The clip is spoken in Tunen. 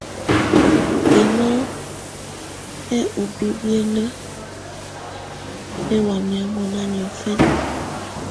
Hino hɛ̀ ùbibiǝ́nǝ́ hɛ̀ wamɛ̀á mɔnà niɔ̀fɛna.